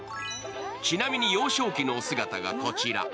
ちなみに、幼少期のお姿がこちら。